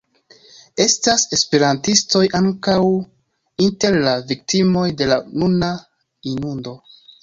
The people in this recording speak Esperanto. Estas esperantistoj ankaŭ inter la viktimoj de la nuna inundo.